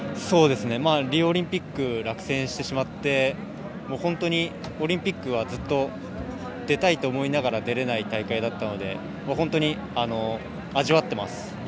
リオオリンピック落選してしまって本当にオリンピックはずっと、出たいと思いながら出れない大会だったので本当に味わってます。